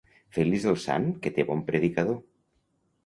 Feliç el sant que té bon predicador.